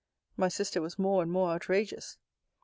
My sister was more and more outrageous.